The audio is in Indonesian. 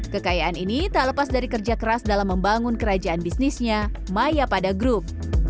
kekayaan ini tak lepas dari kerja keras dalam membangun kerajaan bisnisnya maya pada group